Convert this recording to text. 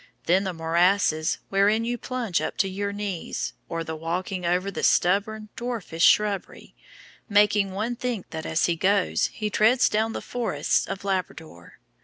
Then the morasses, wherein you plunge up to your knees, or the walking over the stubborn, dwarfish shrubbery, making one think that as he goes he treads down the forests of Labrador.